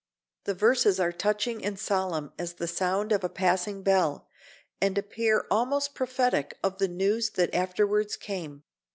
The verses are touching and solemn as the sound of a passing bell, and appear almost prophetic of the news that afterwards came.